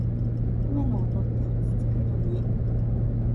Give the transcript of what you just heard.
雨の音って落ち着くよね。